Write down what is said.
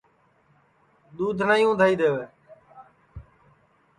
اور دؔودھ نائی اُندھائی دؔے